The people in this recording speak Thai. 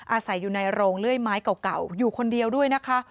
อาศัยอยู่ในโรงเลื่อยไม้เก่าอยู่คนเดียวด้วยนะคะ